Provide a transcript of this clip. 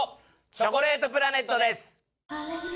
チョコレートプラネットです。